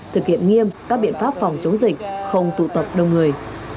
thực hiện nghiêm các biện pháp phòng chống dịch không tụ tập đông người